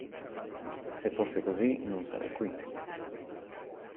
Se fosse così non sarei qui.